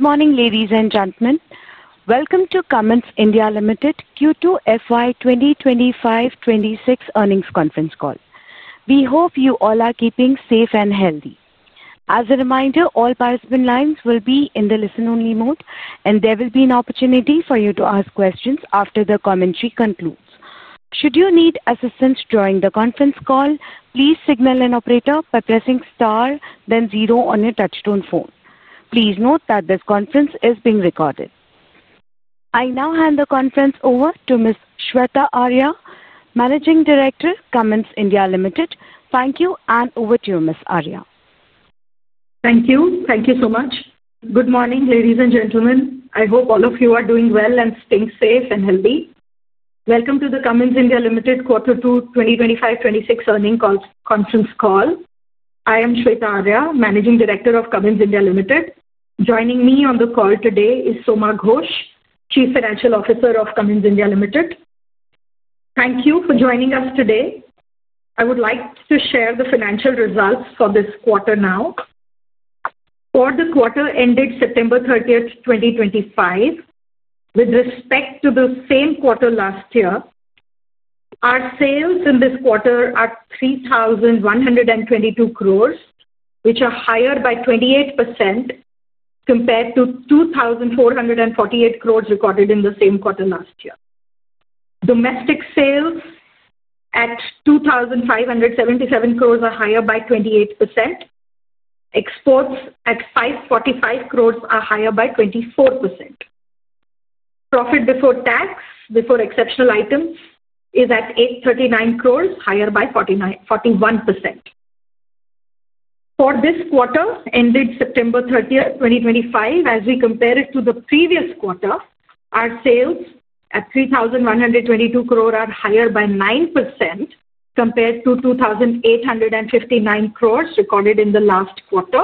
Good morning, ladies and gentlemen. Welcome to Cummins India Limited Q2 FY 2025-2026 earnings conference call. We hope you all are keeping safe and healthy. As a reminder, all participant lines will be in the listen-only mode, and there will be an opportunity for you to ask questions after the commentary concludes. Should you need assistance during the conference call, please signal an operator by pressing star, then zero on your touch-tone phone. Please note that this conference is being recorded. I now hand the conference over to Ms. Shveta Arya, Managing Director, Cummins India Limited. Thank you, and over to you, Ms. Arya. Thank you. Thank you so much. Good morning, ladies and gentlemen. I hope all of you are doing well and staying safe and healthy. Welcome to the Cummins India Limited Q2 2025-2026 earnings conference call. I am Shveta Arya, Managing Director of Cummins India Limited. Joining me on the call today is Soma Ghosh, Chief Financial Officer of Cummins India Limited. Thank you for joining us today. I would like to share the financial results for this quarter now. For the quarter ended September 30, 2025. With respect to the same quarter last year. Our sales in this quarter are 3,122 crore, which are higher by 28%. Compared to 2,448 crore recorded in the same quarter last year. Domestic sales at 2,577 crore are higher by 28%. Exports at 545 crore are higher by 24%. Profit before tax, before exceptional items, is at 839 crore, higher by 41%. For this quarter ended September 30, 2025, as we compare it to the previous quarter, our sales at 3,122 crore are higher by 9% compared to 2,859 crore recorded in the last quarter.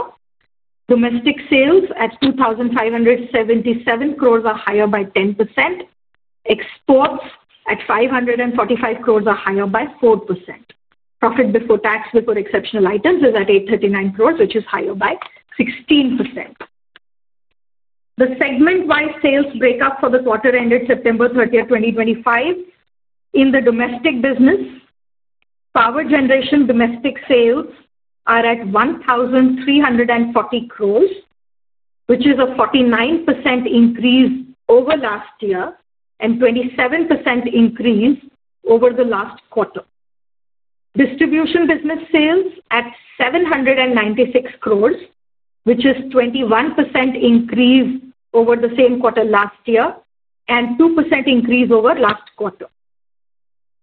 Domestic sales at 2,577 crore are higher by 10%. Exports at 545 crore are higher by 4%. Profit before tax, before exceptional items, is at 839 crore, which is higher by 16%. The segment-wise sales breakup for the quarter ended September 30, 2025. In the domestic Power Generation domestic sales are at 1,340 crore, which is a 49% increase over last year and a 27% increase over the last quarter. Distribution business sales at 796 crore, which is a 21% increase over the same quarter last year and a 2% increase over last quarter.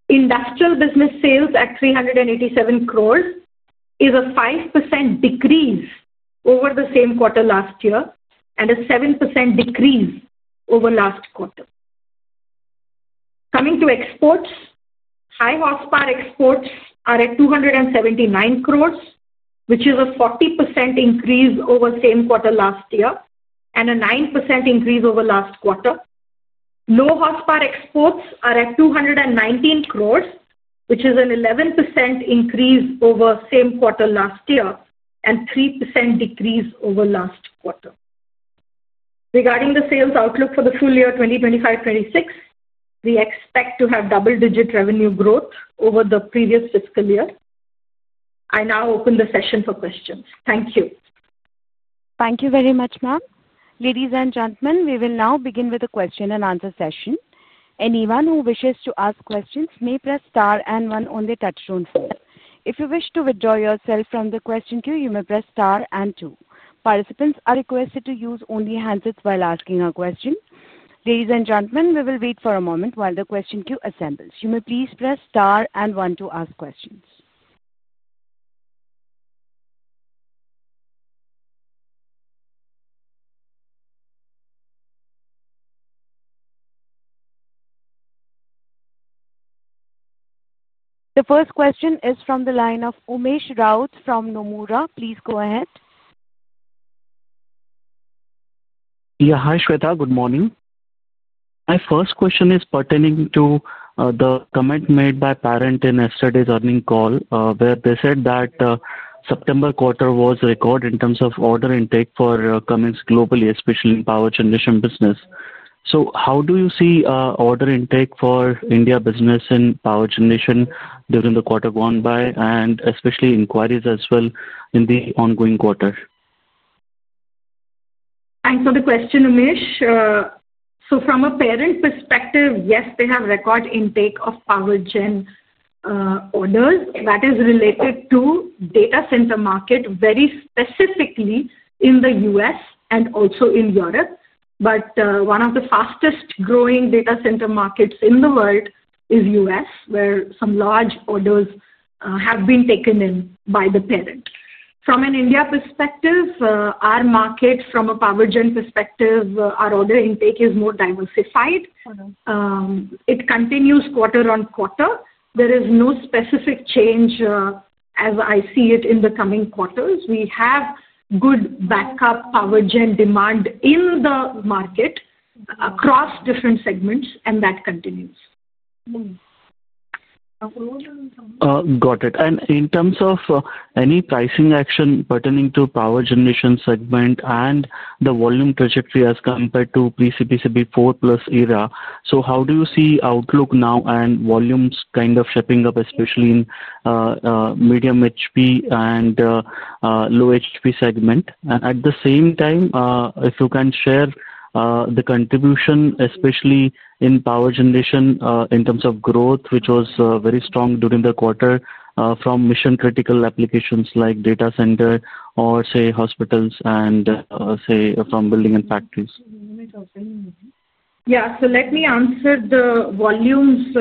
Industrial business sales at 387 crore is a 5% decrease over the same quarter last year and a 7% decrease over last quarter. Coming to exports, high horsepower exports are at 279 crore, which is a 40% increase over the same quarter last year and a 9% increase over last quarter. Low horsepower exports are at 219 crore, which is an 11% increase over the same quarter last year and a 3% decrease over last quarter. Regarding the sales outlook for the full year 2025-2026, we expect to have double-digit revenue growth over the previous fiscal year. I now open the session for questions. Thank you. Thank you very much, ma'am. Ladies and gentlemen, we will now begin with the question-and-answer session. Anyone who wishes to ask questions may press star and one on the touchstone phone. If you wish to withdraw yourself from the question queue, you may press star and two. Participants are requested to use only hands while asking a question. Ladies and gentlemen, we will wait for a moment while the question queue assembles. You may please press star and one to ask questions. The first question is from the line of Umesh Raut from Nomura. Please go ahead. Yeah, hi, Shveta. Good morning. My first question is pertaining to the comment made by Parent in yesterday's earnings call, where they said that September quarter was record in terms of order intake for Cummins globally, especially Power Generation business. How do you see order intake for India business Power Generation during the quarter gone by, and especially inquiries as well in the ongoing quarter? Thanks for the question, Umesh. From a parent perspective, yes, they have record intake Power Gen orders. That is related to data center market, very specifically in the U.S. and also in Europe. One of the fastest-growing data center markets in the world is the U.S., where some large orders have been taken in by the Parent. From an India perspective, our market, from Power Gen perspective, our order intake is more diversified. It continues quarter on quarter. There is no specific change as I see it in the coming quarters. We have good Power Gen demand in the market across different segments, and that continues. Got it. In terms of any pricing action pertaining Power Generation segment and the volume trajectory as compared to CPCB IV+ era, how do you see outlook now and volumes kind of shaping up, especially in medium HP and low HP segment? At the same time, if you can share the contribution, especially Power Generation in terms of growth, which was very strong during the quarter from mission-critical applications like data center or, say, hospitals and, say, from building and factories. Yeah, so let me answer the volumes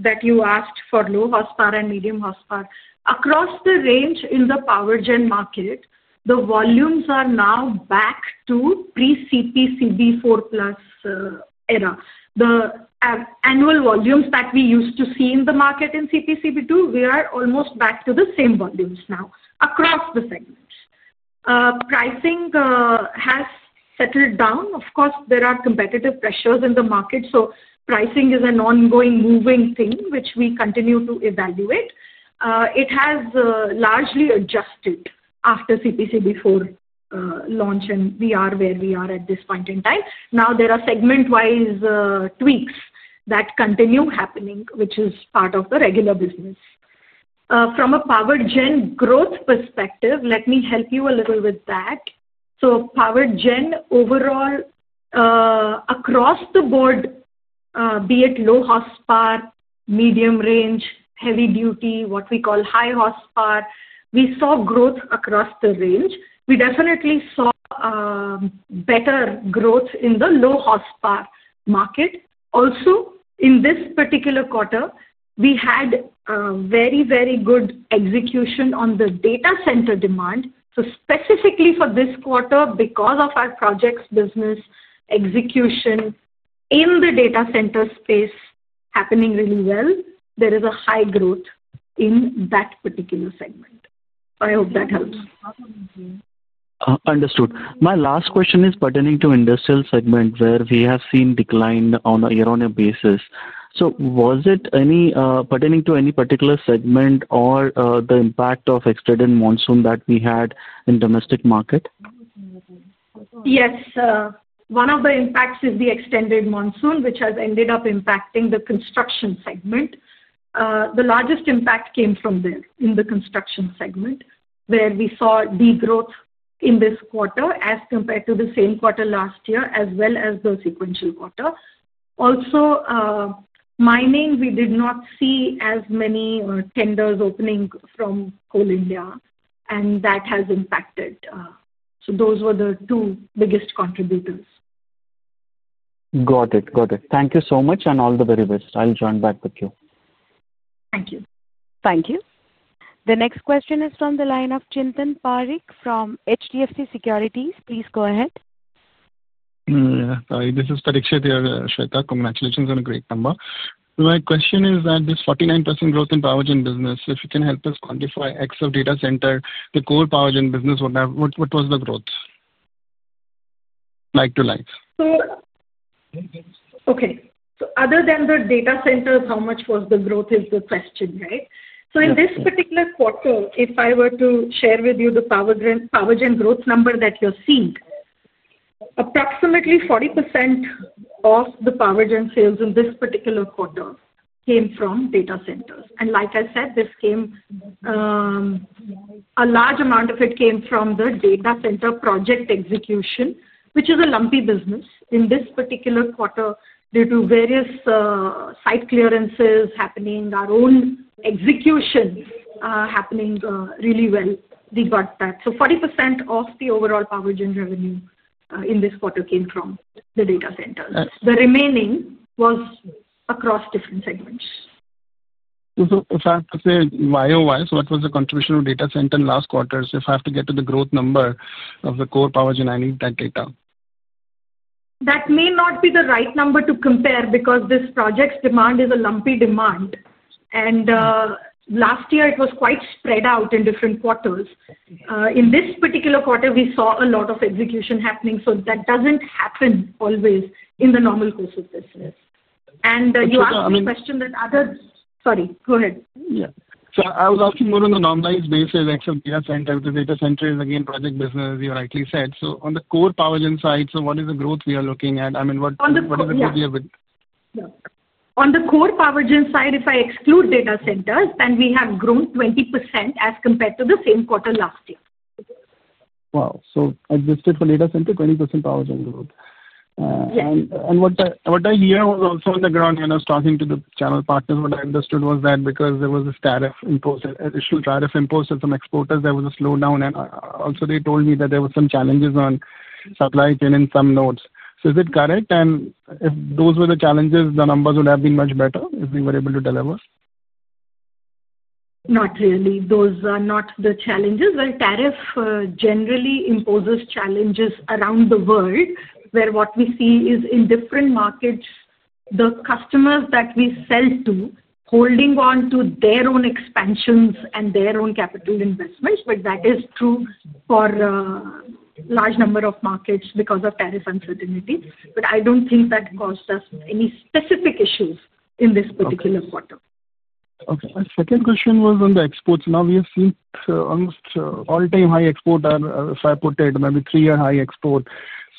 that you asked for low horsepower and medium horsepower. Across the range in Power Gen market, the volumes are now back to pre-CPCB IV+ era. The annual volumes that we used to see in the market in CPCB II, we are almost back to the same volumes now across the segments. Pricing has settled down. Of course, there are competitive pressures in the market, so pricing is an ongoing moving thing, which we continue to evaluate. It has largely adjusted after CPCB IV+ launch, and we are where we are at this point in time. Now, there are segment-wise tweaks that continue happening, which is part of the regular business. From Power Gen growth perspective, let me help you a little with Power Gen overall, across the board. Be it low horsepower, medium range, heavy duty, what we call high horsepower, we saw growth across the range. We definitely saw better growth in the low horsepower market. Also, in this particular quarter, we had very, very good execution on the data center demand. Specifically for this quarter, because of our projects business execution in the data center space happening really well, there is a high growth in that particular segment. I hope that helps. Understood. My last question is pertaining to industrial segment, where we have seen decline on a year-on-year basis. Was it pertaining to any particular segment or the impact of extended monsoon that we had in the domestic market? Yes. One of the impacts is the extended monsoon, which has ended up impacting the construction segment. The largest impact came from there in the construction segment, where we saw degrowth in this quarter as compared to the same quarter last year, as well as the sequential quarter. Also, mining, we did not see as many tenders opening from Coal India, and that has impacted. Those were the two biggest contributors. Got it. Got it. Thank you so much, and all the very best. I'll join back with you. Thank you. Thank you. The next question is from the line of Chintan Parikh from HDFC Securities. Please go ahead. Yeah, sorry. This is Parik Chintan here, Shveta. Congratulations on a great number. My question is that this 49% growth Power Gen business, if you can help us quantify, X of data center, the Power Gen business, what was the growth? Like to like. Okay. Other than the data center, how much was the growth is the question, right? In this particular quarter, if I were to share with you Power Gen growth number that you're seeing, approximately 40% of Power Gen sales in this particular quarter came from data centers. Like I said, this came, a large amount of it came from the data center project execution, which is a lumpy business. In this particular quarter, due to various site clearances happening, our own execution happening really well, we got that. So 40% of the Power Gen revenue in this quarter came from the data centers. The remaining was across different segments. If I have to say VAIO-wise, what was the contribution of data center in last quarter? If I have to get to the growth number of the Power Gen, i need that data. That may not be the right number to compare because this project's demand is a lumpy demand. Last year, it was quite spread out in different quarters. In this particular quarter, we saw a lot of execution happening, so that does not happen always in the normal course of business. You asked me a question that others, sorry, go ahead. Yeah. I was asking more on the normalized basis, X of data center. The data center is, again, project business, you rightly said. On the Power Gen side, what is the growth we are looking at? I mean, what is the growth here? On the Power Gen side, if I exclude data centers, then we have grown 20% as compared to the same quarter last year. Wow. Adjusted for data center, Power Gen growth. What I hear also on the ground, when I was talking to the channel partners, what I understood was that because there was this tariff imposed, additional tariff imposed on some exporters, there was a slowdown. They told me that there were some challenges on supply chain in some nodes. Is it correct? If those were the challenges, the numbers would have been much better if we were able to deliver? Not really. Those are not the challenges. Tariff generally imposes challenges around the world, where what we see is in different markets, the customers that we sell to holding on to their own expansions and their own capital investments. That is true for a large number of markets because of tariff uncertainty. I do not think that caused us any specific issues in this particular quarter. Okay. Second question was on the exports. Now, we have seen almost all-time high export, if I put it, maybe three-year high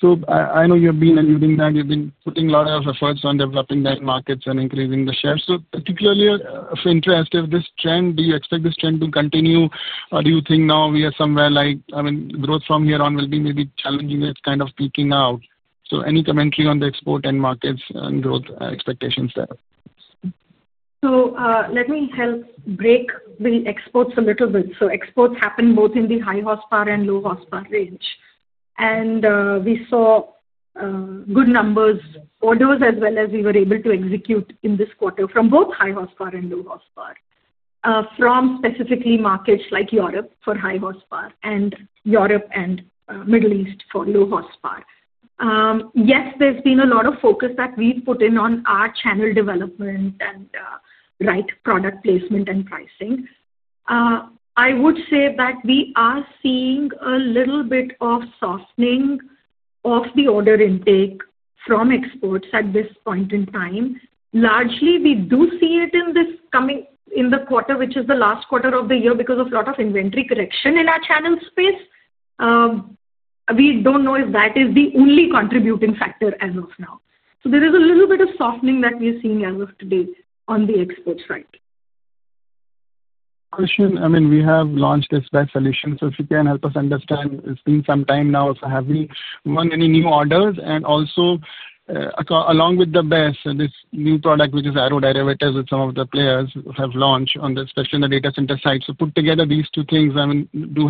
export. I know you have been using that. You have been putting a lot of efforts on developing that market and increasing the shares. Particularly of interest, if this trend, do you expect this trend to continue? Or do you think now we are somewhere, like, I mean, growth from here on will be maybe challenging and kind of peaking out? Any commentary on the export and markets and growth expectations there? Let me help break the exports a little bit. Exports happen both in the high horsepower and low horsepower range. We saw good numbers, orders as well as we were able to execute in this quarter from both high horsepower and low horsepower, from specifically markets like Europe for high horsepower and Europe and Middle East for low horsepower. Yes, there has been a lot of focus that we have put in on our channel development and right product placement and pricing. I would say that we are seeing a little bit of softening of the order intake from exports at this point in time. Largely, we do see this coming in the quarter, which is the last quarter of the year because of a lot of inventory correction in our channel space. We do not know if that is the only contributing factor as of now. There is a little bit of softening that we are seeing as of today on the export side. I mean, we have launched this Best Solution. If you can help us understand, it's been some time now. Have we won any new orders? Also, along with the Best, this new product, which is Arrow derivatives, some of the players have launched this, especially on the data center side. Put together these two things, I mean, do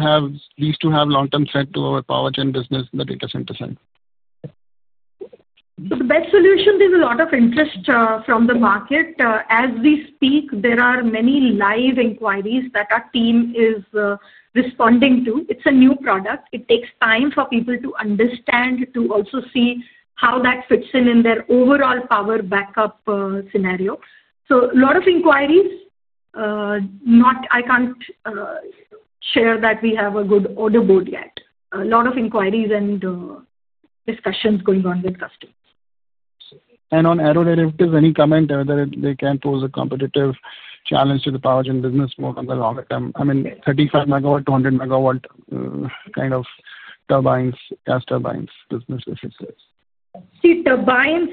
these two have long-term threat to Power Gen business in the data center side? The Best Solution, there is a lot of interest from the market. As we speak, there are many live inquiries that our team is responding to. It is a new product. It takes time for people to understand, to also see how that fits in in their overall power backup scenario. A lot of inquiries. I cannot share that we have a good order board yet. A lot of inquiries and discussions going on with customers. On arrow derivatives, any comment whether they can pose a competitive challenge to Power Gen business more on the longer term? I mean, 35 MW-100 MW kind of turbines, gas turbines business, as you said. See, turbines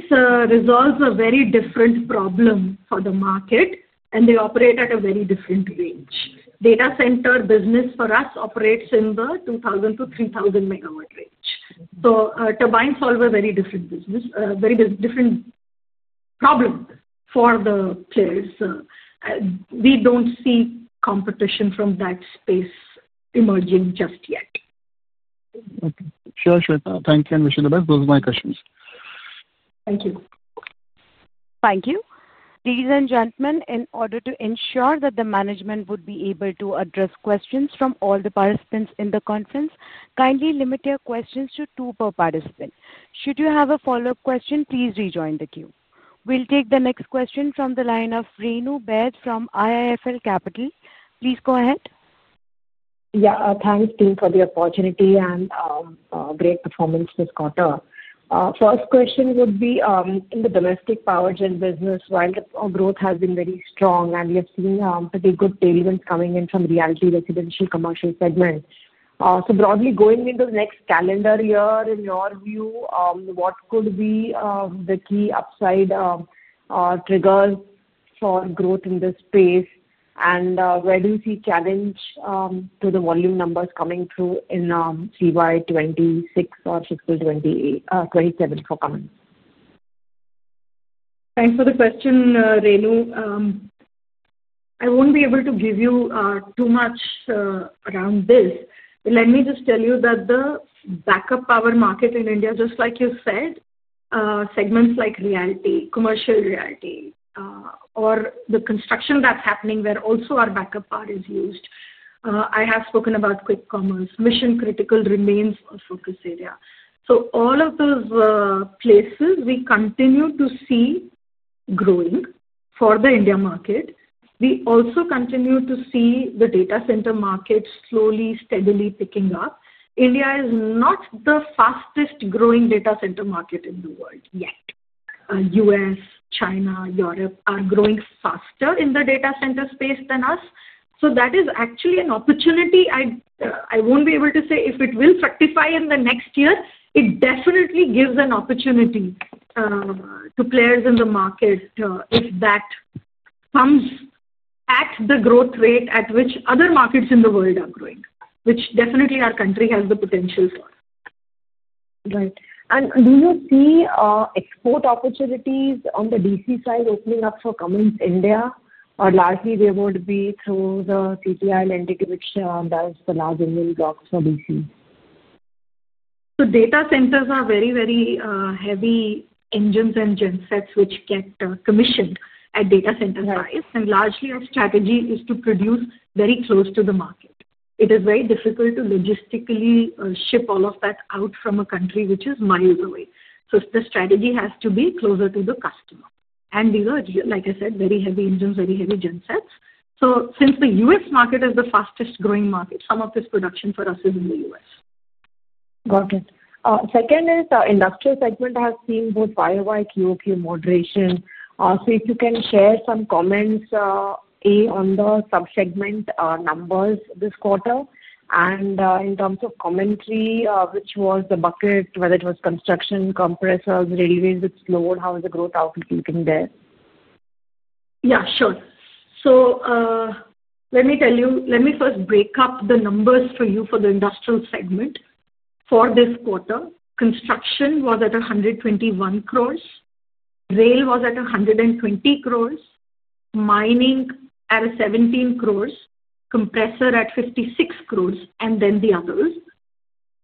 resolve a very different problem for the market, and they operate at a very different range. Data center business for us operates in the 2,000 MW-3,000 MW range. So turbines solve a very different problem for the players. We do not see competition from that space emerging just yet. Okay. Sure, sure. Thank you, Shveta. Those are my questions. Thank you. Thank you. Ladies and gentlemen, in order to ensure that the management would be able to address questions from all the participants in the conference, kindly limit your questions to two per participant. Should you have a follow-up question, please rejoin the queue. We'll take the next question from the line of Renu Bett from IIFL Capital. Please go ahead. Yeah. Thanks, team, for the opportunity and great performance this quarter. First question would be, in the Power Gen business, while the growth has been very strong and we have seen pretty good tailwinds coming in from realty, residential, commercial segment, broadly going into the next calendar year, in your view, what could be the key upside triggers for growth in this space? Where do you see challenge to the volume numbers coming through in calendar year 2026 or 2027 for Cummins? Thanks for the question, Renu. I won't be able to give you too much around this. Let me just tell you that the backup power market in India, just like you said. Segments like realty, commercial realty, or the construction that's happening where also our backup power is used. I have spoken about quick commerce. Mission-critical remains a focus area. All of those places, we continue to see growing for the India market. We also continue to see the data center market slowly, steadily picking up. India is not the fastest growing data center market in the world yet. U.S., China, Europe are growing faster in the data center space than us. That is actually an opportunity. I won't be able to say if it will fructify in the next year. It definitely gives an opportunity to players in the market if that. Comes at the growth rate at which other markets in the world are growing, which definitely our country has the potential for. Right. Do you see export opportunities on the DC side opening up for Cummins India? Or largely, they would be through the CGI lending, which does the large engine blocks for DC? Data centers are very, very heavy engines and gensets which get commissioned at data center size. Largely, our strategy is to produce very close to the market. It is very difficult to logistically ship all of that out from a country which is miles away. The strategy has to be closer to the customer. These are, like I said, very heavy engines, very heavy gensets. Since the U.S. market is the fastest growing market, some of this production for us is in the U.S. Got it. Second is our industrial segment has seen both VAIO, VAIQ, QoQ moderation. If you can share some comments. A, on the subsegment numbers this quarter, and in terms of commentary, which was the bucket, whether it was construction, compressors, railways which slowed, how was the growth outlook looking there? Yeah, sure. Let me tell you, let me first break up the numbers for you for the industrial segment. For this quarter, construction was at 121 crore. Rail was at 120 crore. Mining at 17 crore, compressor at 56 crore, and then the others.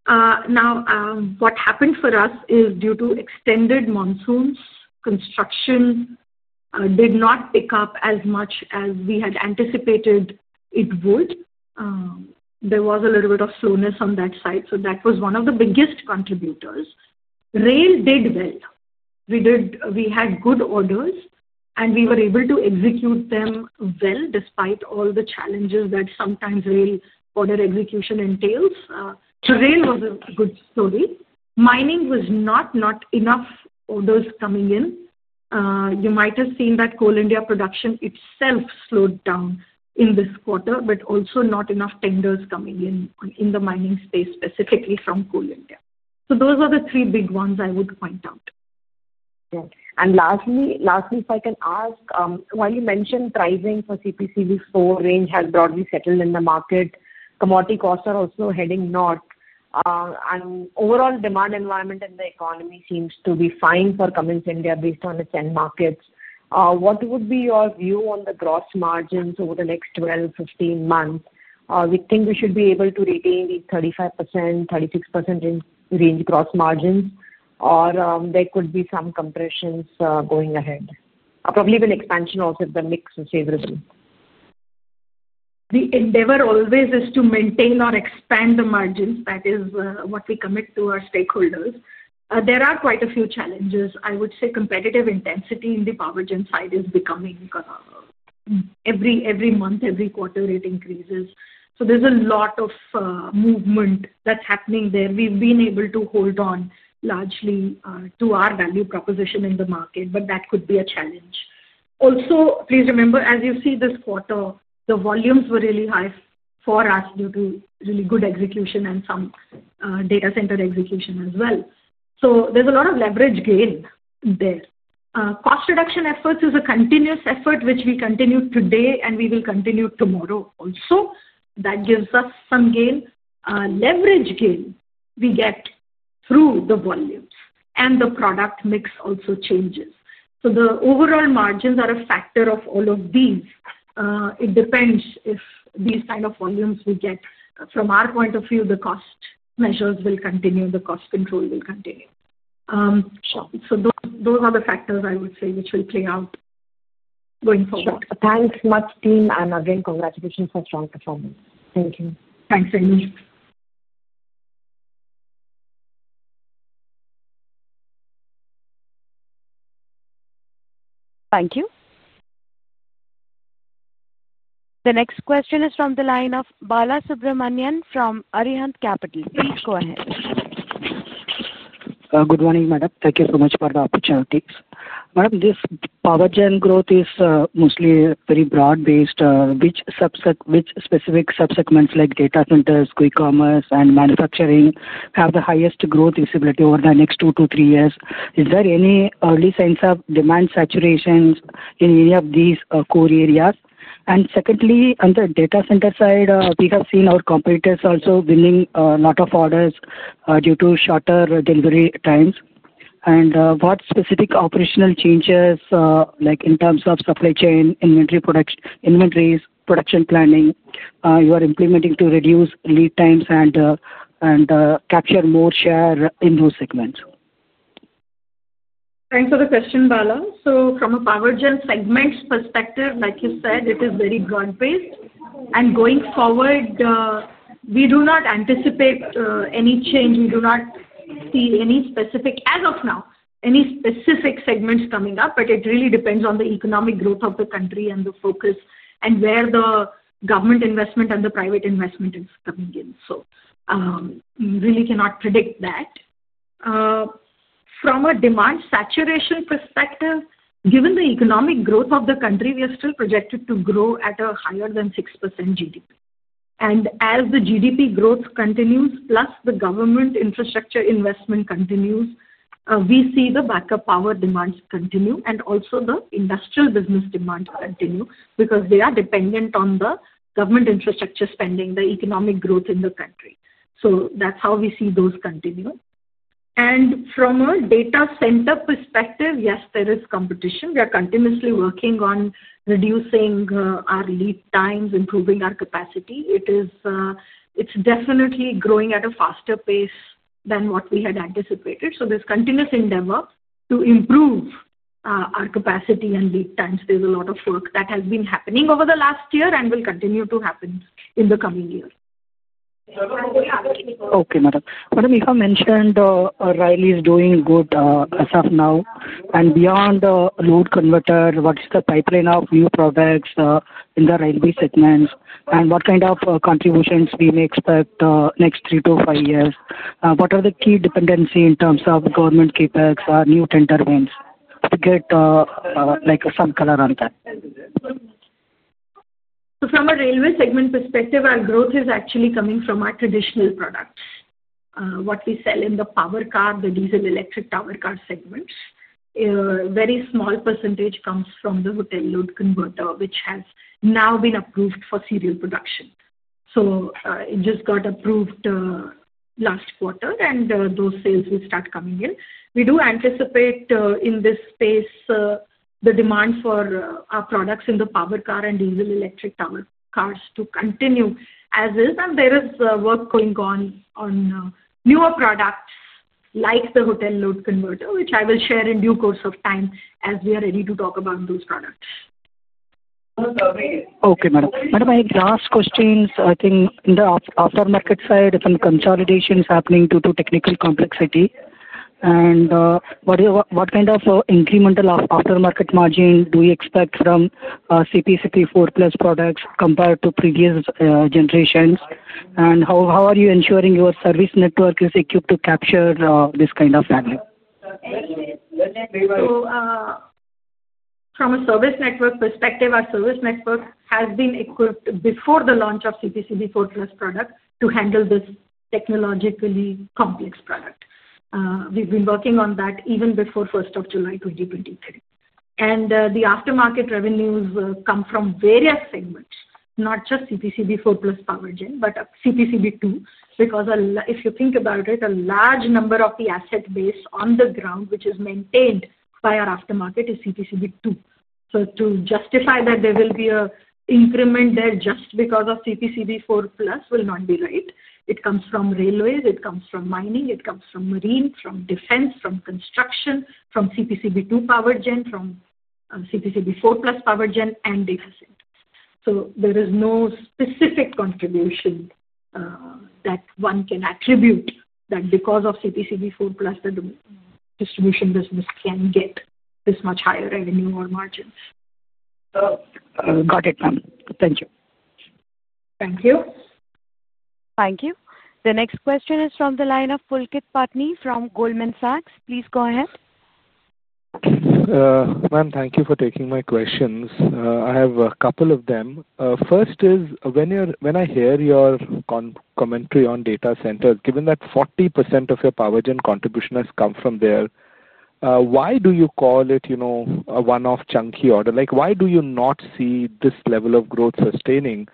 Now, what happened for us is due to extended monsoons, construction did not pick up as much as we had anticipated it would. There was a little bit of slowness on that side. That was one of the biggest contributors. Rail did well. We had good orders, and we were able to execute them well despite all the challenges that sometimes rail order execution entails. Rail was a good story. Mining was not enough orders coming in. You might have seen that Coal India production itself slowed down in this quarter, but also not enough tenders coming in in the mining space specifically from Coal India. Those are the three big ones I would point out. Right. Lastly, if I can ask, while you mentioned pricing for CPCB, CO range has broadly settled in the market. Commodity costs are also heading north. Overall demand environment in the economy seems to be fine for Cummins India based on its end markets. What would be your view on the gross margins over the next 12-15 months? Do we think we should be able to retain these 35%-36% range gross margins, or there could be some compressions going ahead, probably with expansion also if the mix is favorable. The endeavor always is to maintain or expand the margins. That is what we commit to our stakeholders. There are quite a few challenges. I would say competitive intensity in Power Gen side is becoming. Every month, every quarter, it increases. There is a lot of movement that is happening there. We have been able to hold on largely to our value proposition in the market, but that could be a challenge. Also, please remember, as you see this quarter, the volumes were really high for us due to really good execution and some data center execution as well. There is a lot of leverage gain there. Cost reduction efforts is a continuous effort, which we continue today and we will continue tomorrow also. That gives us some gain. Leverage gain we get through the volumes and the product mix also changes. The overall margins are a factor of all of these. It depends if these kind of volumes we get from our point of view, the cost measures will continue. The cost control will continue. Those are the factors, I would say, which will play out going forward. Thanks much, team, and again, congratulations for strong performance. Thank you. Thanks, Renu. Thank you. The next question is from the line of Balasubramanian from Arihant Capital. Please go ahead. Good morning, Madam. Thank you so much for the opportunity. Madam, Power Gen growth is mostly very broad-based. Which specific subsegments like data centers, quick commerce, and manufacturing have the highest growth visibility over the next two to three years? Is there any early sense of demand saturation in any of these core areas? Secondly, on the data center side, we have seen our competitors also winning a lot of orders due to shorter delivery times. What specific operational changes, like in terms of supply chain, inventory, production planning, are you implementing to reduce lead times and capture more share in those segments Thanks for the question, Bala. From Power Gen segment perspective, like you said, it is very broad-based. Going forward, we do not anticipate any change. We do not see any specific, as of now, any specific segments coming up, but it really depends on the economic growth of the country and the focus and where the government investment and the private investment is coming in. Really cannot predict that. From a demand saturation perspective, given the economic growth of the country, we are still projected to grow at a higher than 6% GDP. As the GDP growth continues, plus the government infrastructure investment continues, we see the backup power demands continue and also the industrial business demands continue because they are dependent on the government infrastructure spending, the economic growth in the country. That is how we see those continue. From a data center perspective, yes, there is competition. We are continuously working on reducing our lead times, improving our capacity. It is definitely growing at a faster pace than what we had anticipated. There is continuous endeavor to improve our capacity and lead times. There is a lot of work that has been happening over the last year and will continue to happen in the coming years. Okay, Madam. Madam, you have mentioned railway is doing good as of now. Beyond Hotel Load Converter, what is the pipeline of new products in the railway segments? What kind of contributions may we expect in the next three to five years? What are the key dependencies in terms of government CapEx or new tender wins to get some color on that? From a railway segment perspective, our growth is actually coming from our traditional products. What we sell in the power car, the diesel electric power car segments. A very small percentage comes from the hotel load converter, which has now been approved for serial production. It just got approved last quarter, and those sales will start coming in. We do anticipate in this space the demand for our products in the power car and diesel electric power cars to continue as is. There is work going on on newer products like the hotel load converter, which I will share in due course of time as we are ready to talk about those products. Okay, Madam. Madam, I have last questions. I think in the aftermarket side, if consolidation is happening due to technical complexity, what kind of incremental aftermarket margin do we expect from CPCB IV+ products compared to previous generations? How are you ensuring your service network is equipped to capture this kind of value? From a service network perspective, our service network has been equipped before the launch of CPCB IV+ products to handle this technologically complex product. We've been working on that even before 1st of July 2023. The aftermarket revenues come from various segments, not just CPCB Power Gen, but CPCB II, because if you think about it, a large number of the asset based on the ground, which is maintained by our aftermarket, is CPCB II. To justify that there will be an increment there just because of CPCB IV+ will not be right. It comes from railways, it comes from mining, it comes from marine, from defense, from construction, from CPCB Power Gen, from CPCB Power Gen, and data centers. There is no specific contribution. That one can attribute that because of CPCB IV+ that the distribution business can get this much higher revenue or margins. Got it, ma'am. Thank you. Thank you. Thank you. The next question is from the line of Pulkit Patni from Goldman Sachs. Please go ahead. Ma'am, thank you for taking my questions. I have a couple of them. First is, when I hear your commentary on data centers, given that 40% of Power Gen contribution has come from there, why do you call it a one-off chunky order? Why do you not see this level of growth sustaining,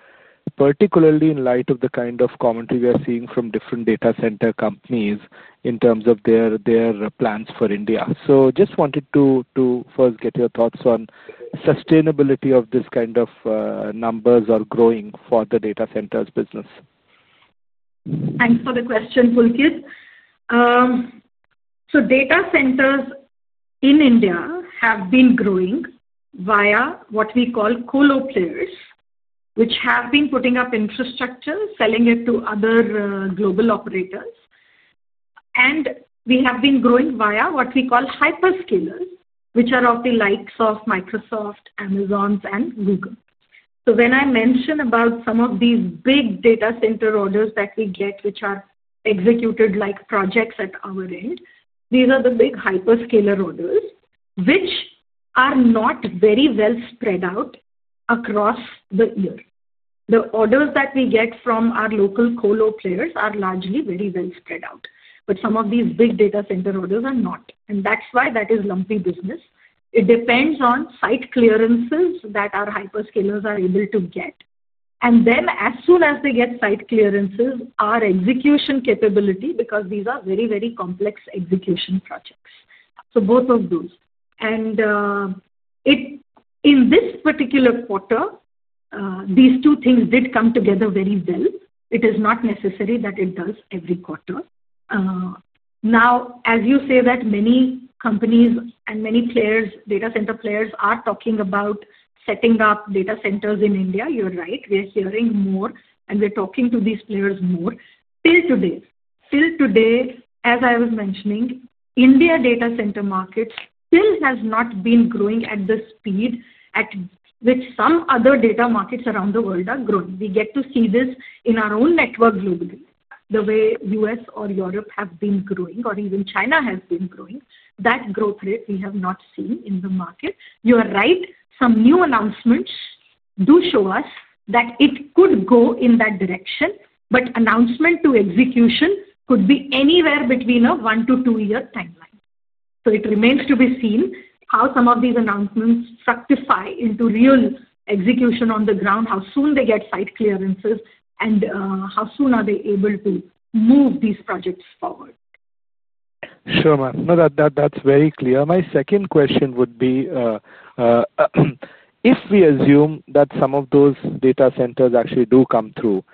particularly in light of the kind of commentary we are seeing from different data center companies in terms of their plans for India? Just wanted to first get your thoughts on sustainability of this kind of numbers or growing for the data centers business. Thanks for the question, Pulkit. Data centers in India have been growing via what we call colo players, which have been putting up infrastructure, selling it to other global operators. We have been growing via what we call hyperscalers, which are of the likes of Microsoft, Amazon, and Google. When I mention about some of these big data center orders that we get, which are executed like projects at our end, these are the big hyperscaler orders, which are not very well spread out across the year. The orders that we get from our local colo players are largely very well spread out. Some of these big data center orders are not. That is lumpy business. It depends on site clearances that our hyperscalers are able to get. As soon as they get site clearances, our execution capability, because these are very, very complex execution projects. Both of those. In this particular quarter, these two things did come together very well. It is not necessary that it does every quarter. Now, as you say that many companies and many data center players are talking about setting up data centers in India, you're right. We are hearing more, and we're talking to these players more. Till today, as I was mentioning, India data center market still has not been growing at the speed at which some other data markets around the world are growing. We get to see this in our own network globally, the way U.S. or Europe have been growing, or even China has been growing. That growth rate, we have not seen in the market. You are right. Some new announcements do show us that it could go in that direction, but announcement to execution could be anywhere between a one- to two-year timeline. It remains to be seen how some of these announcements fructify into real execution on the ground, how soon they get site clearances, and how soon are they able to move these projects forward. Sure, ma'am. No, that's very clear. My second question would be, if we assume that some of those data centers actually do come through,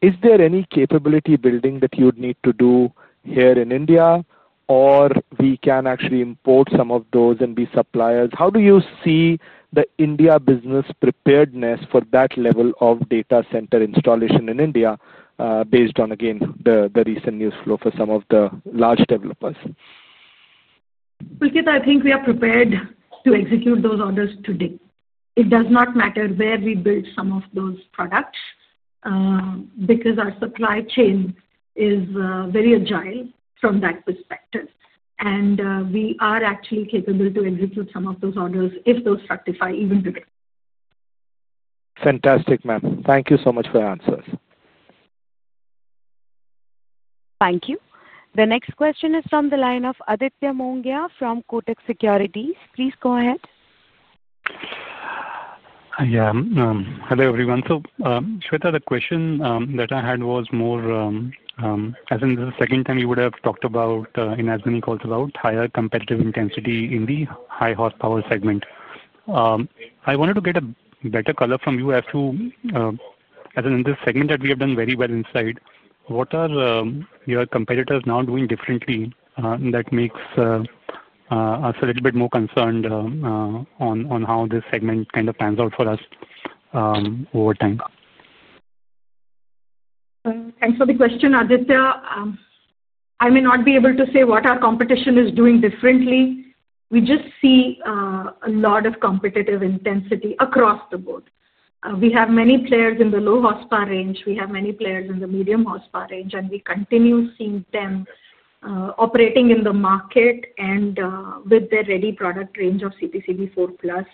is there any capability building that you'd need to do here in India, or we can actually import some of those and be suppliers? How do you see the India business preparedness for that level of data center installation in India, based on, again, the recent news flow for some of the large developers? Pulkit, I think we are prepared to execute those orders today. It does not matter where we build some of those products, because our supply chain is very agile from that perspective. We are actually capable to execute some of those orders if those fructify even today. Fantastic, ma'am. Thank you so much for your answers. Thank you. The next question is from the line of Aditya Mongia from Kotak Securities. Please go ahead. Yeah. Hello, everyone. Shveta, the question that I had was more, as in the second time you would have talked about in as many calls about higher competitive intensity in the high horsepower segment. I wanted to get a better color from you as to, as in this segment that we have done very well inside, what are your competitors now doing differently that makes us a little bit more concerned on how this segment kind of pans out for us over time? Thanks for the question, Aditya. I may not be able to say what our competition is doing differently. We just see a lot of competitive intensity across the board. We have many players in the low horsepower range. We have many players in the medium horsepower range, and we continue seeing them operating in the market and with their ready product range of CPCB IV+;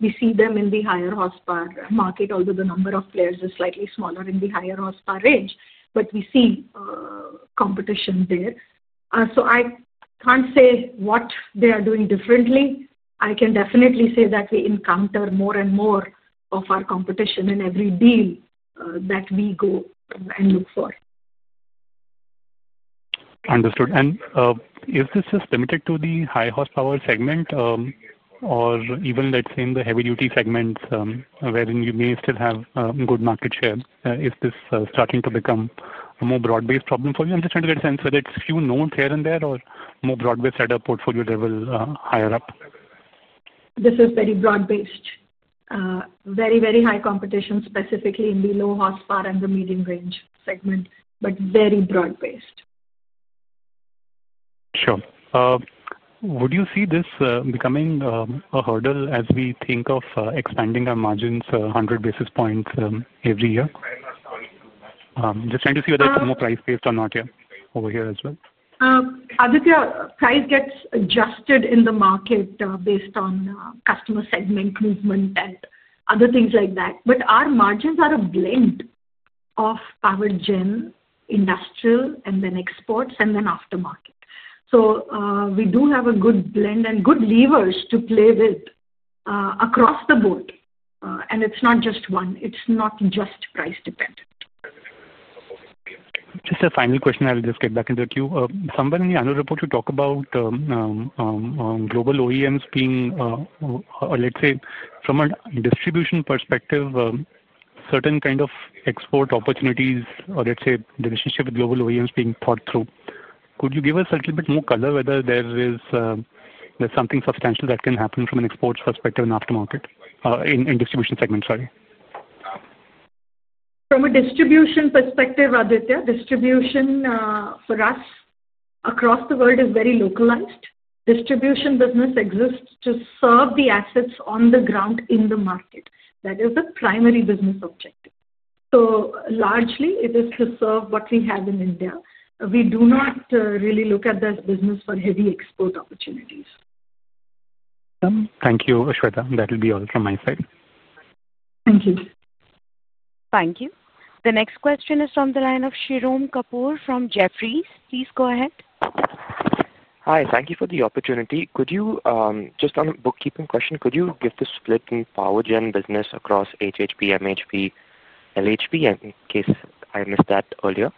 we see them in the higher horsepower market, although the number of players is slightly smaller in the higher horsepower range, but we see competition there. I can't say what they are doing differently. I can definitely say that we encounter more and more of our competition in every deal that we go and look for. Understood. Is this just limited to the high horsepower segment, or even, let's say, in the heavy-duty segments wherein you may still have good market share? Is this starting to become a more broad-based problem for you? I'm just trying to get a sense whether it's a few nodes here and there or more broad-based at a portfolio level higher up. This is very broad-based. Very, very high competition, specifically in the low horsepower and the medium-range segment, but very broad-based. Sure. Would you see this becoming a hurdle as we think of expanding our margins 100 basis points every year? Just trying to see whether it's more price-based or not here over here as well. Aditya, price gets adjusted in the market based on customer segment movement and other things like that. Our margins are a blend Power Gen, industrial, and then exports, and then aftermarket. We do have a good blend and good levers to play with across the board. It is not just one. It is not just price-dependent. Just a final question. I'll just get back into the queue. Somewhere in the annual report, you talk about global OEMs being, let's say, from a distribution perspective, certain kind of export opportunities, or let's say the relationship with global OEMs being thought through. Could you give us a little bit more color whether there is something substantial that can happen from an export perspective in aftermarket? In distribution segment, sorry. From a distribution perspective, Aditya, distribution for us across the world is very localized. Distribution business exists to serve the assets on the ground in the market. That is the primary business objective. Largely, it is to serve what we have in India. We do not really look at this business for heavy export opportunities. Thank you, Shveta. That will be all from my side. Thank you. Thank you. The next question is from the line of Shirom Kapur from Jefferies. Please go ahead. Hi. Thank you for the opportunity. Just on a bookkeeping question, could you give the split Power Gen business across HHP, MHP, LHP in case I missed that earlier?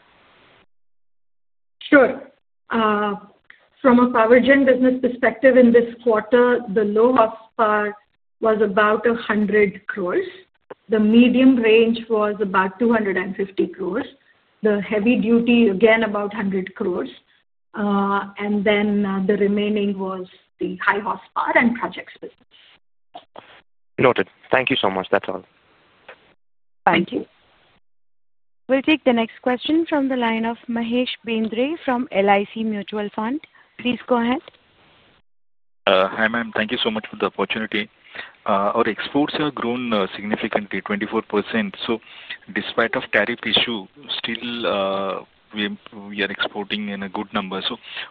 Sure. From Power Gen business perspective, in this quarter, the low horsepower was about 100 crore. The medium range was about 250 crore. The heavy-duty, again, about 100 crore. The remaining was the high horsepower and projects business. Noted. Thank you so much. That's all. Thank you. We'll take the next question from the line of Mahesh Bendre from LIC Mutual Fund. Please go ahead. Hi, ma'am. Thank you so much for the opportunity. Our exports have grown significantly, 24%. Despite the tariff issue, still, we are exporting in a good number.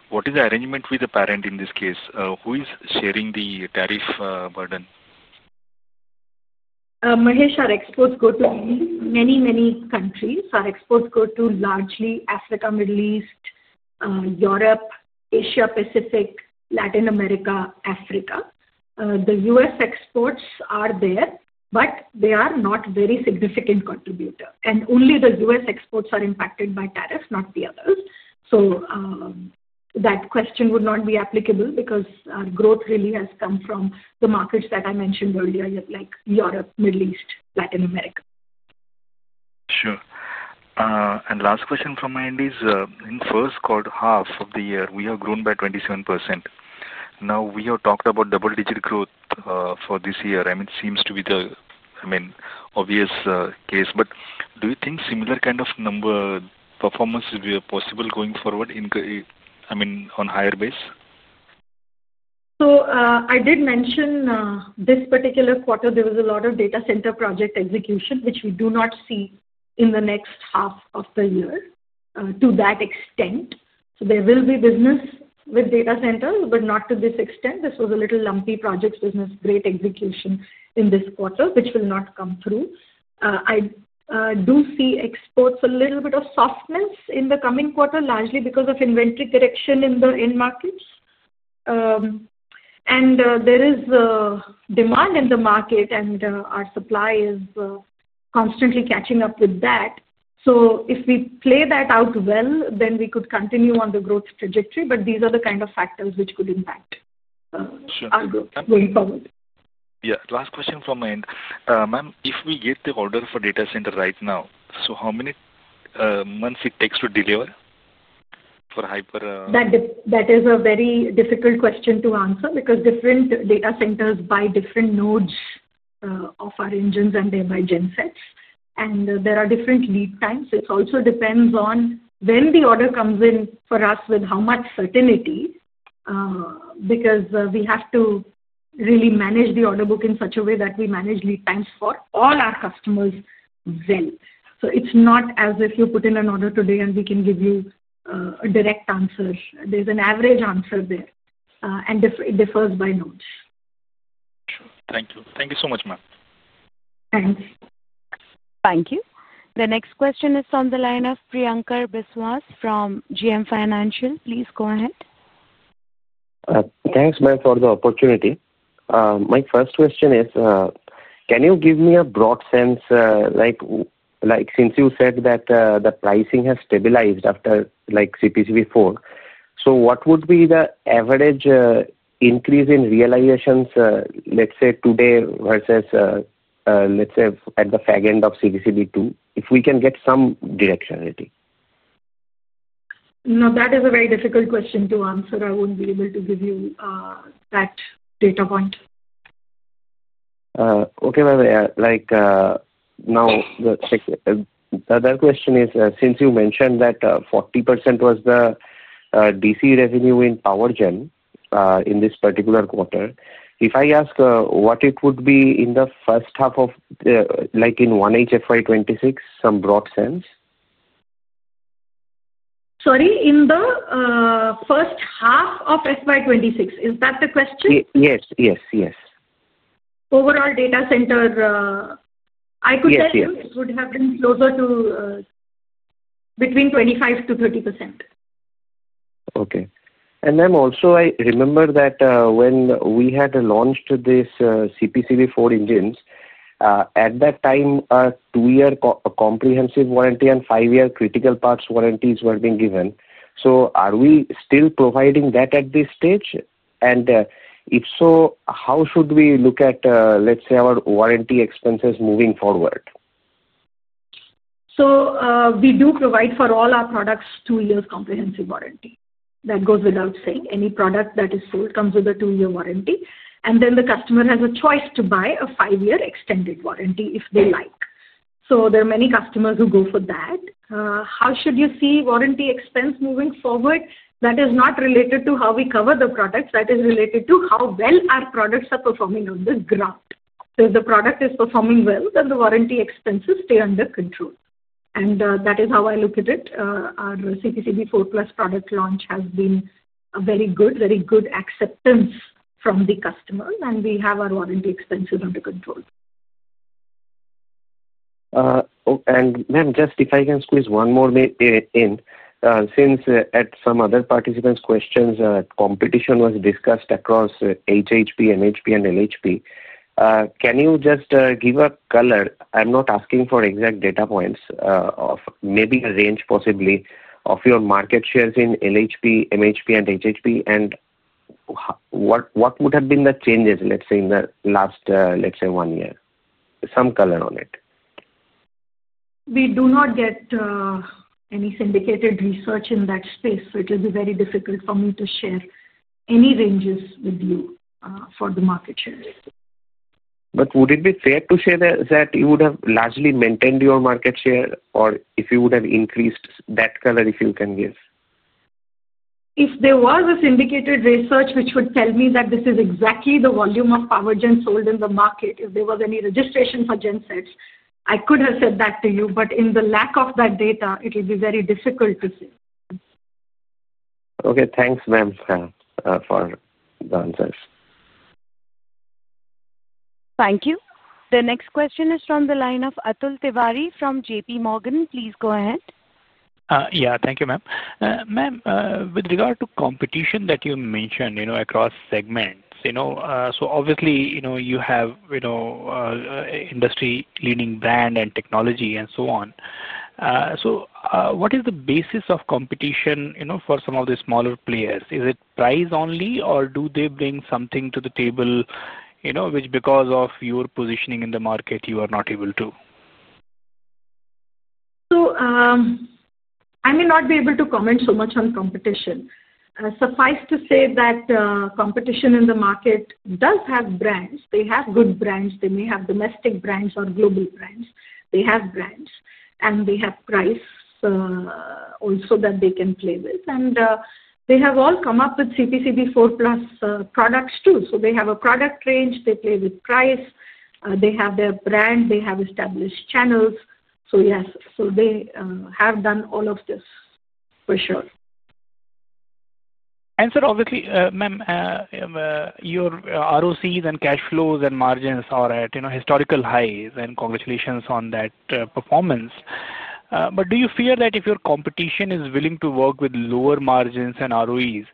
What is the arrangement with the parent in this case? Who is sharing the tariff burden? Mahesh, our exports go to many, many countries. Our exports go to largely Africa, Middle East, Europe, Asia-Pacific, Latin America, Africa. The U.S. exports are there, but they are not a very significant contributor. Only the U.S. exports are impacted by tariffs, not the others. That question would not be applicable because our growth really has come from the markets that I mentioned earlier, like Europe, Middle East, Latin America. Sure. Last question from my end is, in first quarter, half of the year, we have grown by 27%. Now, we have talked about double-digit growth for this year. I mean, it seems to be the, I mean, obvious case. Do you think similar kind of performance will be possible going forward? I mean, on a higher base? I did mention this particular quarter, there was a lot of data center project execution, which we do not see in the next half of the year to that extent. There will be business with data centers, but not to this extent. This was a little lumpy project business, great execution in this quarter, which will not come through. I do see exports a little bit of softness in the coming quarter, largely because of inventory correction in the end markets. There is demand in the market, and our supply is constantly catching up with that. If we play that out well, then we could continue on the growth trajectory. These are the kind of factors which could impact going forward. Yeah. Last question from my end. Ma'am, if we get the order for data center right now, how many months does it take to deliver for hyper? That is a very difficult question to answer because different data centers buy different nodes of our engines and thereby gensets. And there are different lead times. It also depends on when the order comes in for us with how much certainty. Because we have to really manage the order book in such a way that we manage lead times for all our customers well. It's not as if you put in an order today and we can give you a direct answer. There's an average answer there. It differs by nodes. Sure. Thank you. Thank you so much, ma'am. Thanks. Thank you. The next question is from the line of Priyankar Biswas from JM Financial. Please go ahead. Thanks, ma'am, for the opportunity. My first question is, can you give me a broad sense? Since you said that the pricing has stabilized after CPCB IV, what would be the average increase in realizations, let's say, today versus, let's say, at the fag end of CPCB II, if we can get some direction, Aditya? No, that is a very difficult question to answer. I won't be able to give you that data point. Okay, ma'am. Now, the other question is, since you mentioned that 40% was the DC revenue Power Gen in this particular quarter, if I ask what it would be in the first half of, like in one H1 FY 2026, some broad sense? Sorry? In the first half of FY 2026? Is that the question? Yes. Yes. Yes. Overall data center. I could tell you it would have been closer to between 25%-30%. Okay. I remember that when we had launched this CPCB IV engines, at that time, a two-year comprehensive warranty and five-year critical parts warranties were being given. Are we still providing that at this stage? If so, how should we look at, let's say, our warranty expenses moving forward? We do provide for all our products a two-year comprehensive warranty. That goes without saying. Any product that is sold comes with a two-year warranty. The customer has a choice to buy a five-year extended warranty if they like. There are many customers who go for that. How should you see warranty expense moving forward? That is not related to how we cover the products. That is related to how well our products are performing on the ground. If the product is performing well, then the warranty expenses stay under control. That is how I look at it. Our CPCB IV+ product launch has been a very good, very good acceptance from the customer, and we have our warranty expenses under control. Ma'am, just if I can squeeze one more in. Since at some other participants' questions, competition was discussed across HHP, MHP, and LHP. Can you just give a color? I'm not asking for exact data points. Maybe a range, possibly, of your market shares in LHP, MHP, and HHP, and what would have been the changes, let's say, in the last, let's say, one year? Some color on it. We do not get any syndicated research in that space, so it will be very difficult for me to share any ranges with you for the market share. Would it be fair to say that you would have largely maintained your market share, or if you would have increased, that color if you can give? If there was a syndicated research which would tell me that this is exactly the volume Power Gen sold in the market, if there was any registration for gensets, I could have said that to you. In the lack of that data, it will be very difficult to say. Okay. Thanks, ma'am, for the answers. Thank you. The next question is from the line of Atul Tiwari from JPMorgan. Please go ahead. Yeah. Thank you, ma'am. Ma'am, with regard to competition that you mentioned across segments, obviously, you have industry-leading brand and technology and so on. What is the basis of competition for some of the smaller players? Is it price only, or do they bring something to the table which, because of your positioning in the market, you are not able to? I may not be able to comment so much on competition. Suffice to say that competition in the market does have brands. They have good brands. They may have domestic brands or global brands. They have brands. They have price also that they can play with. They have all come up with CPCB IV+ products too. They have a product range. They play with price. They have their brand. They have established channels. Yes, they have done all of this, for sure. Obviously, ma'am, your ROCs and cash flows and margins are at historical highs, and congratulations on that performance. Do you fear that if your competition is willing to work with lower margins and ROEs,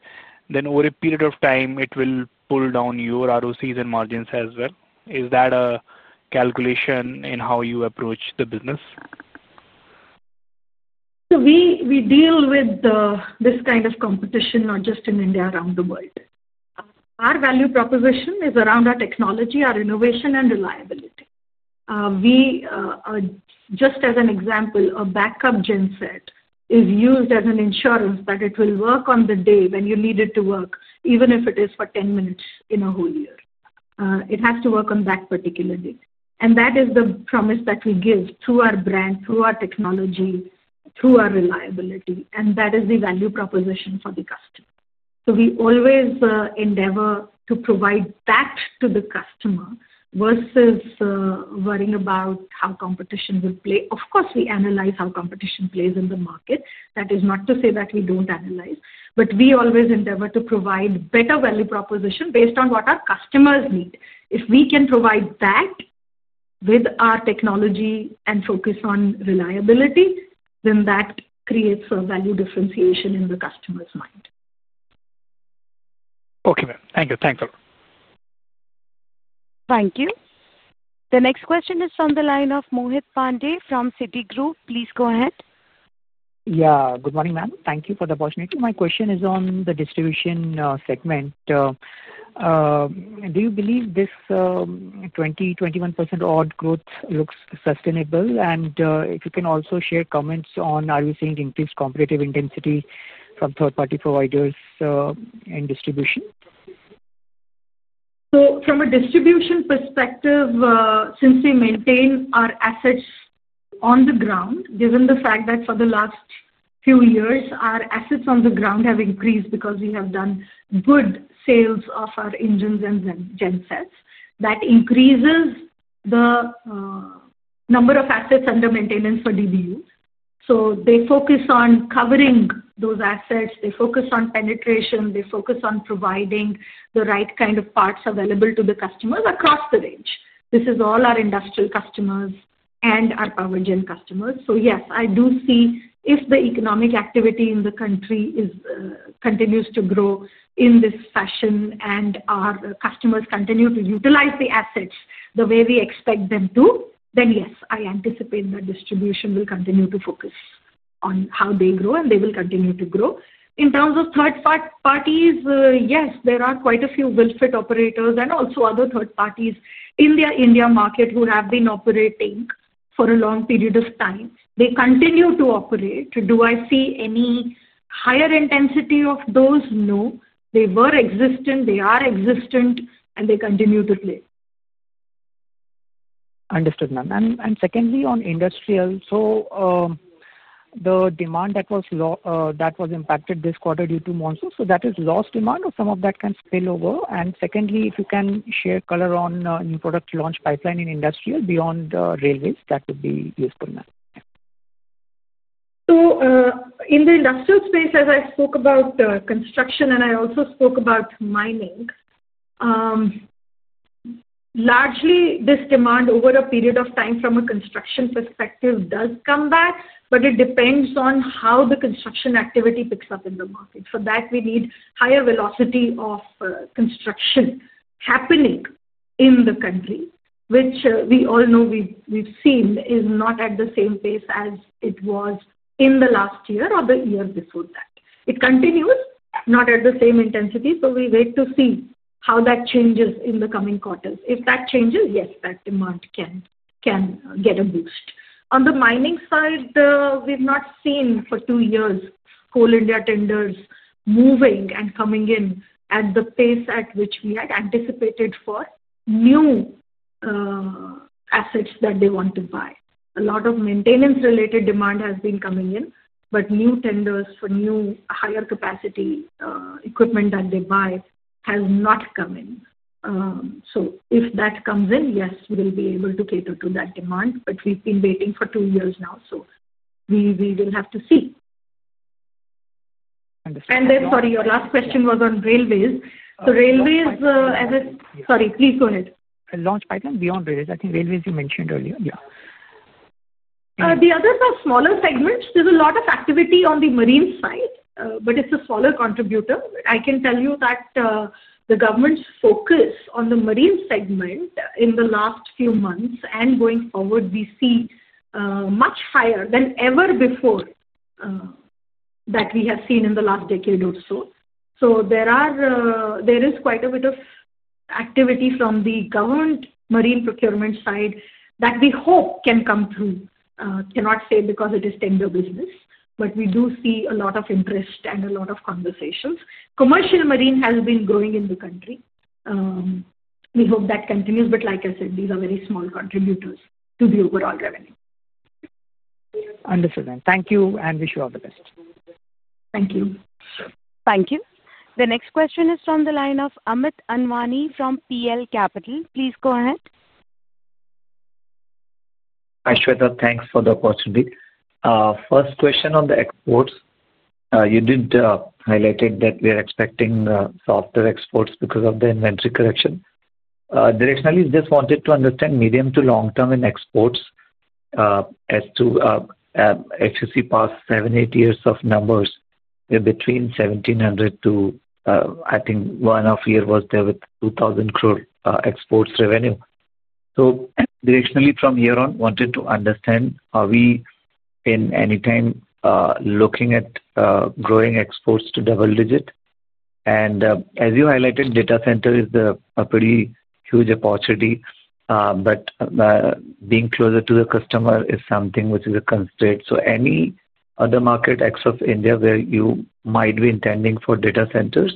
then over a period of time, it will pull down your ROCs and margins as well? Is that a calculation in how you approach the business? We deal with this kind of competition, not just in India, around the world. Our value proposition is around our technology, our innovation, and reliability. Just as an example, a backup gen set is used as an insurance that it will work on the day when you need it to work, even if it is for 10 minutes in a whole year. It has to work on that particular day. That is the promise that we give through our brand, through our technology, through our reliability. That is the value proposition for the customer. We always endeavor to provide that to the customer versus worrying about how competition would play. Of course, we analyze how competition plays in the market. That is not to say that we do not analyze. We always endeavor to provide better value proposition based on what our customers need. If we can provide that, with our technology and focus on reliability, then that creates a value differentiation in the customer's mind. Okay, ma'am. Thank you. Thanks, ma'am. Thank you. The next question is from the line of Mohit Pandey from Citigroup. Please go ahead. Yeah. Good morning, ma'am. Thank you for the opportunity. My question is on the distribution segment. Do you believe this 20%-21% odd growth looks sustainable? If you can also share comments on, are we seeing increased competitive intensity from third-party providers in distribution? From a distribution perspective, since we maintain our assets on the ground, given the fact that for the last few years, our assets on the ground have increased because we have done good sales of our engines and gensets, that increases the number of assets under maintenance for DBUs. They focus on covering those assets. They focus on penetration. They focus on providing the right kind of parts available to the customers across the range. This is all our industrial customers and Power Gen customers. Yes, I do see if the economic activity in the country continues to grow in this fashion and our customers continue to utilize the assets the way we expect them to, then yes, I anticipate that distribution will continue to focus on how they grow and they will continue to grow. In terms of third parties, yes, there are quite a few will-fit operators and also other third parties in the India market who have been operating for a long period of time. They continue to operate. Do I see any higher intensity of those? No. They were existent. They are existent. They continue to play. Understood, ma'am. Secondly, on industrial, the demand that was impacted this quarter due to monsoon, is that lost demand or can some of that spill over? Secondly, if you can share color on new product launch pipeline in industrial beyond railways, that would be useful, ma'am. In the industrial space, as I spoke about construction and I also spoke about mining. Largely, this demand over a period of time from a construction perspective does come back, but it depends on how the construction activity picks up in the market. For that, we need higher velocity of construction happening in the country, which we all know we've seen is not at the same pace as it was in the last year or the year before that. It continues, not at the same intensity, so we wait to see how that changes in the coming quarters. If that changes, yes, that demand can get a boost. On the mining side, we've not seen for two years Coal India tenders moving and coming in at the pace at which we had anticipated for new assets that they want to buy. A lot of maintenance-related demand has been coming in, but new tenders for new higher capacity equipment that they buy has not come in. If that comes in, yes, we'll be able to cater to that demand. We've been waiting for two years now, so we will have to see. Understood. And then, sorry, your last question was on railways. Railways as a—sorry, please go ahead. Launch pipeline beyond railways. I think railways you mentioned earlier. Yeah. The others are smaller segments. There's a lot of activity on the marine side, but it's a smaller contributor. I can tell you that the government's focus on the marine segment in the last few months and going forward, we see much higher than ever before. That we have seen in the last decade or so. There is quite a bit of activity from the government marine procurement side that we hope can come through. Cannot say because it is tender business, but we do see a lot of interest and a lot of conversations. Commercial marine has been growing in the country. We hope that continues. Like I said, these are very small contributors to the overall revenue. Understood, ma'am. Thank you, and wish you all the best. Thank you. Thank you. The next question is from the line of Amit Anwani from PL Capital. Please go ahead. Hi, Shveta. Thanks for the opportunity. First question on the exports. You did highlight that we are expecting softer exports because of the inventory correction. Directionally, I just wanted to understand medium to long-term in exports. If you see past seven, eight years of numbers, they're between 1,700 crore to—I think one half year was there with 2,000 crore exports revenue. Directionally from here on, wanted to understand, are we in any time looking at growing exports to double digit? As you highlighted, data center is a pretty huge opportunity. Being closer to the customer is something which is a constraint. Any other market, except India, where you might be intending for data centers?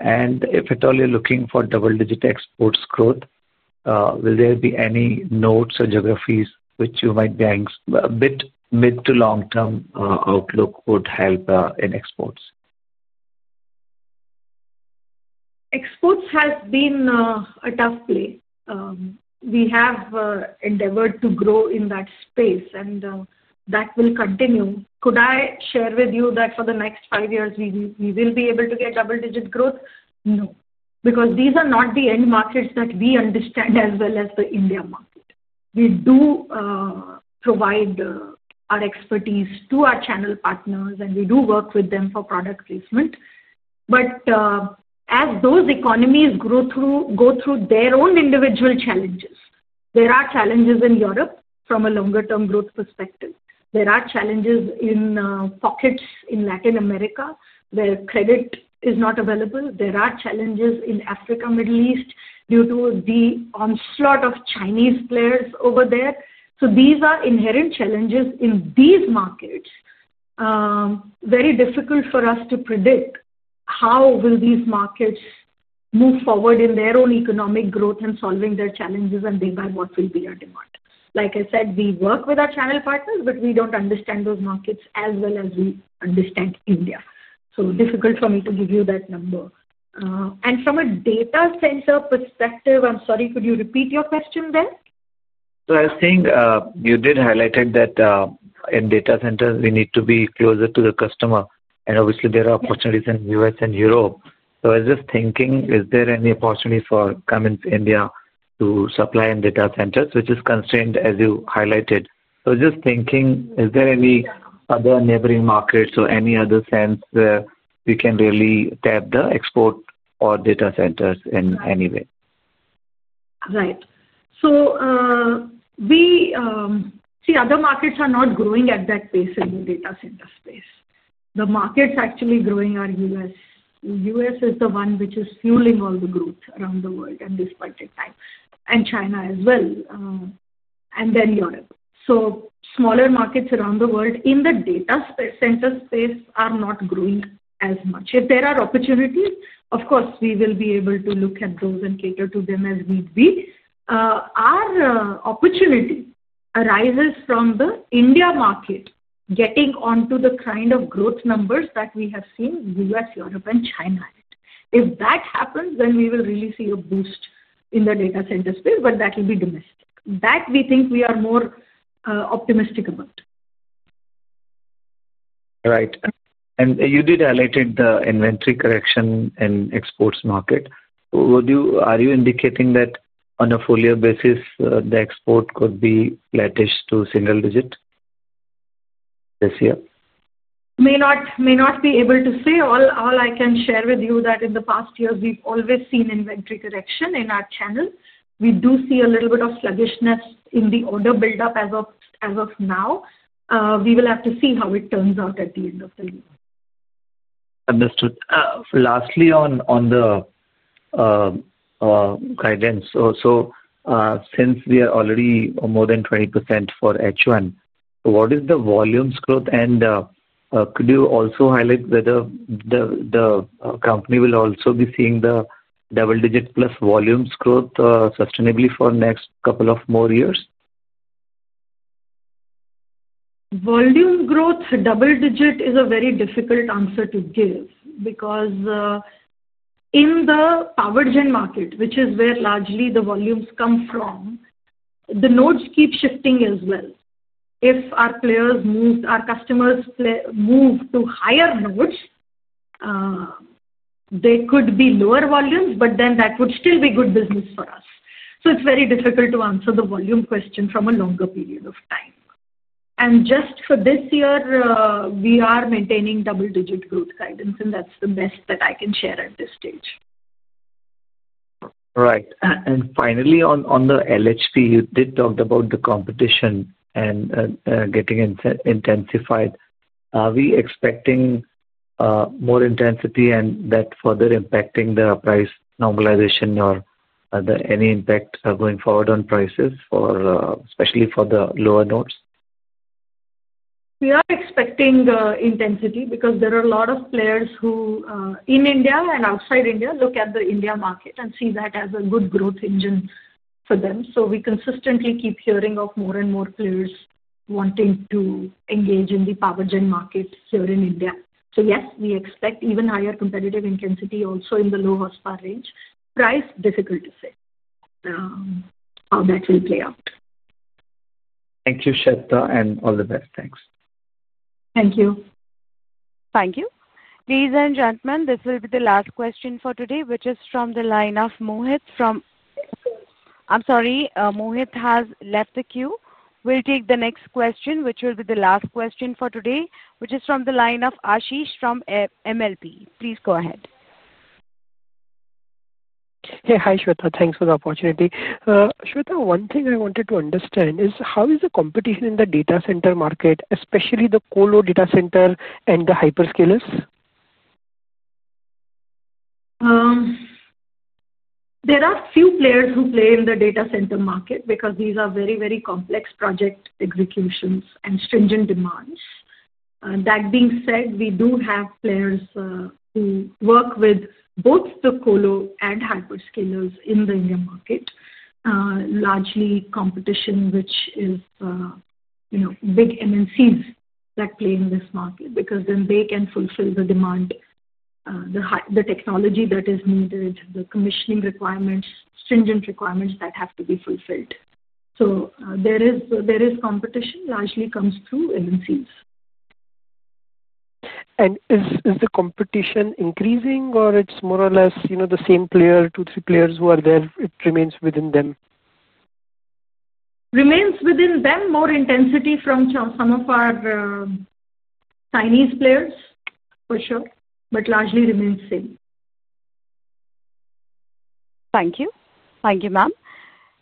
If at all you're looking for double-digit exports growth, will there be any notes or geographies which you might be a bit—mid to long-term outlook would help in exports. Exports has been a tough place. We have endeavored to grow in that space, and that will continue. Could I share with you that for the next five years, we will be able to get double-digit growth? No. Because these are not the end markets that we understand as well as the India market. We do provide our expertise to our channel partners, and we do work with them for product placement. As those economies go through their own individual challenges, there are challenges in Europe from a longer-term growth perspective. There are challenges in pockets in Latin America where credit is not available. There are challenges in Africa, Middle East due to the onslaught of Chinese players over there. These are inherent challenges in these markets. Very difficult for us to predict how will these markets move forward in their own economic growth and solving their challenges, and thereby what will be our demand. Like I said, we work with our channel partners, but we do not understand those markets as well as we understand India. Difficult for me to give you that number. From a data center perspective, I am sorry, could you repeat your question there? I think you did highlight that. In data centers, we need to be closer to the customer. Obviously, there are opportunities in the U.S. and Europe. I was just thinking, is there any opportunity for Cummins India to supply in data centers, which is constrained, as you highlighted? I was just thinking, is there any other neighboring markets or any other sense where we can really tap the export or data centers in any way? Right. We see other markets are not growing at that pace in the data center space. The markets actually growing are the U.S. The U.S. is the one which is fueling all the growth around the world, and despite the time, and China as well, and then Europe. Smaller markets around the world in the data center space are not growing as much. If there are opportunities, of course, we will be able to look at those and cater to them as need be. Our opportunity arises from the India market getting onto the kind of growth numbers that we have seen in the U.S., Europe, and China. If that happens, then we will really see a boost in the data center space, but that will be domestic. That we think we are more optimistic about. Right. You did highlight the inventory correction in exports market. Are you indicating that on a full-year basis, the export could be flattish to single digit this year? May not be able to say. All I can share with you is that in the past years, we've always seen inventory correction in our channel. We do see a little bit of sluggishness in the order buildup as of now. We will have to see how it turns out at the end of the year. Understood. Lastly, on the guidance. Since we are already more than 20% for H1, what is the volumes growth? Could you also highlight whether the company will also be seeing the double-digit plus volumes growth sustainably for the next couple of more years? Volume growth, double-digit is a very difficult answer to give because in Power Gen market, which is where largely the volumes come from, the nodes keep shifting as well. If our players move, our customers move to higher nodes, there could be lower volumes, but then that would still be good business for us. It is very difficult to answer the volume question from a longer period of time. Just for this year, we are maintaining double-digit growth guidance, and that is the best that I can share at this stage. Right. Finally, on the LHP, you did talk about the competition and getting intensified. Are we expecting more intensity and that further impacting the price normalization or any impact going forward on prices, especially for the lower nodes? We are expecting intensity because there are a lot of players who, in India and outside India, look at the India market and see that as a good growth engine for them. We consistently keep hearing of more and more players wanting to engage in Power Gen market here in India. Yes, we expect even higher competitive intensity also in the low horsepower range. Price, difficult to say how that will play out. Thank you, Shveta, and all the best. Thanks. Thank you. Thank you. Ladies and gentlemen, this will be the last question for today, which is from the line of Mohit from— I'm sorry, Mohit has left the queue. We'll take the next question, which will be the last question for today, which is from the line of Ashish from MLP. Please go ahead. Hey, Shveta. Thanks for the opportunity. Shveta, one thing I wanted to understand is how is the competition in the data center market, especially the colo data center and the hyperscalers? There are few players who play in the data center market because these are very, very complex project executions and stringent demands. That being said, we do have players who work with both the colo load and hyperscalers in the India market. Largely, competition, which is big MNCs that play in this market because then they can fulfill the demand, the technology that is needed, the commissioning requirements, stringent requirements that have to be fulfilled. There is competition; largely comes through MNCs. Is the competition increasing, or it's more or less the same player, two, three players who are there? It remains within them? Remains within them, more intensity from some of our Chinese players, for sure, but largely remains same. Thank you. Thank you, ma'am.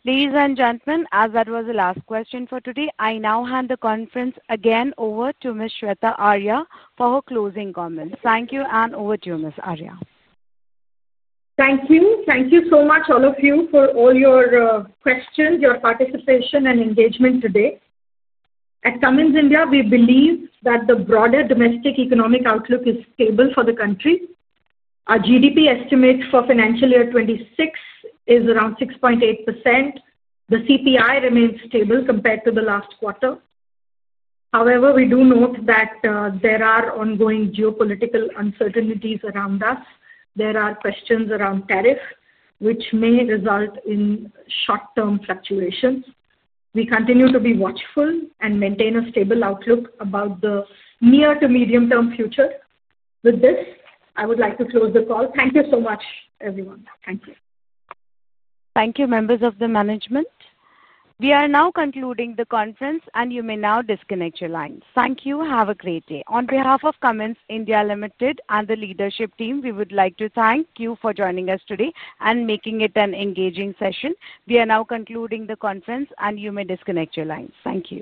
Ladies and gentlemen, as that was the last question for today, I now hand the conference again over to Ms. Shveta Arya for her closing comments. Thank you, and over to you, Ms. Arya. Thank you. Thank you so much, all of you, for all your questions, your participation, and engagement today. At Cummins India, we believe that the broader domestic economic outlook is stable for the country. Our GDP estimate for financial year 2026 is around 6.8%. The CPI remains stable compared to the last quarter. However, we do note that there are ongoing geopolitical uncertainties around us. There are questions around tariffs, which may result in short-term fluctuations. We continue to be watchful and maintain a stable outlook about the near to medium-term future. With this, I would like to close the call. Thank you so much, everyone. Thank you. Thank you, members of the management. We are now concluding the conference, and you may now disconnect your lines. Thank you. Have a great day. On behalf of Cummins India Limited and the leadership team, we would like to thank you for joining us today and making it an engaging session. We are now concluding the conference, and you may disconnect your lines. Thank you.